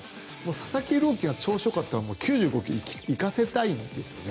佐々木朗希が調子よかったら９５球行かせたいですよね？